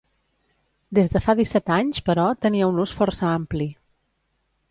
Des de fa disset anys, però, tenia un ús força ampli.